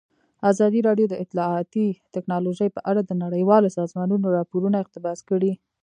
ازادي راډیو د اطلاعاتی تکنالوژي په اړه د نړیوالو سازمانونو راپورونه اقتباس کړي.